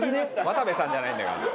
渡部さんじゃないんだから。